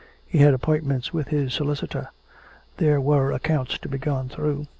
He had appointments with his solicitor. There were accounts to be gone through.